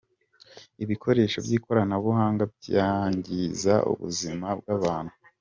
Ibikoresho by’ikoranabuhanga byangiza ubuzima bw’abantu